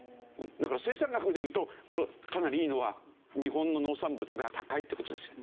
だから生産額でいうとかなりいいのは日本の農産物が高いって事ですよ。